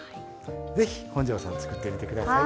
ぜひ本上さん作ってみてください。